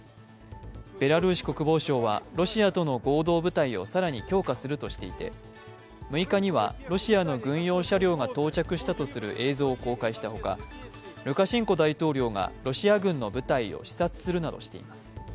ベラルーシ国防省はロシアとの合同部隊を更に強化するとしていて６日にはロシアの軍用車両が到着したとする映像を公開したほかルカシェンコ大統領がロシア軍の部隊を視察するなどしています。